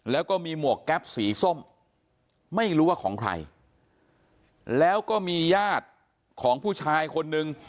แล้วก็มีหมวกแก๊ปสีส้มไม่รู้ว่าของใครแล้วก็มีญาติของผู้ชายคนนึง